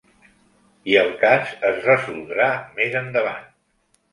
I el cas es resoldrà més endavant.